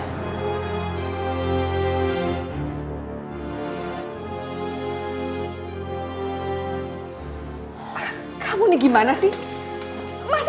mama jangan berperang sangka yang gak enggak sama dia